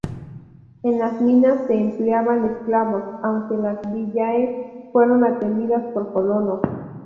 En las minas se empleaban esclavos, aunque las "villae" fueron atendidas por colonos.